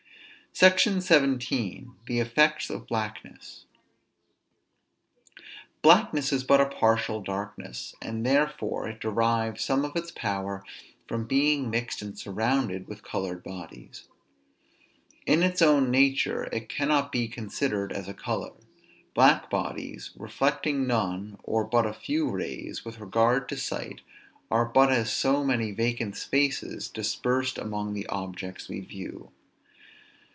SECTION XVII. THE EFFECTS OF BLACKNESS. Blackness is but a partial darkness; and therefore it derives some of its powers from being mixed and surrounded with colored bodies. In its own nature, it cannot be considered as a color. Black bodies, reflecting none, or but a few rays, with regard to sight, are but as so many vacant spaces, dispersed among the objects we view.